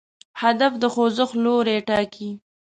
هدف د خوځښت لوری ټاکي.